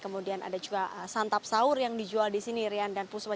kemudian ada juga santap sahur yang dijual di sini rian dan puspa